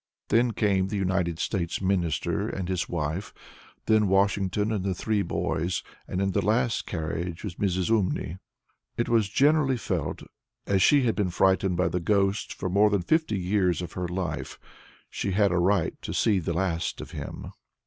Then came the United States Minister and his wife, then Washington and the three boys, and in the last carriage was Mrs. Umney. It was generally felt that, as she had been frightened by the ghost for more than fifty years of her life, she had a right to see the last of him.